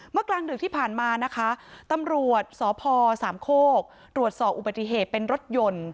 กลางดึกที่ผ่านมานะคะตำรวจสพสามโคกตรวจสอบอุบัติเหตุเป็นรถยนต์